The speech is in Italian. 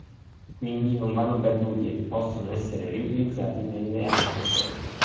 Quindi non vanno perduti e possono essere riutilizzati nelle altre storie.